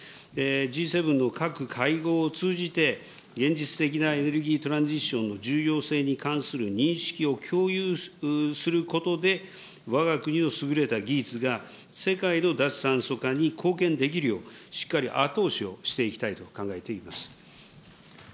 Ｇ７の各会合を通じて、現実的なエネルギートランジッションの重要性に関する認識を共有することで、わが国の優れた技術が世界の脱炭素化に貢献できるよう、しっかり後押しをしていきたいと考えております。